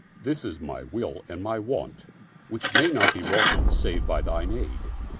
This is my will and my want which may not be wroughten save by thine aid."